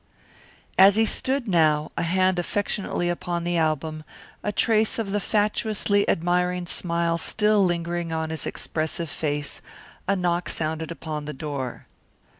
As he stood now, a hand affectionately upon the album, a trace of the fatuously admiring smile still lingering on his expressive face, a knock sounded upon the door.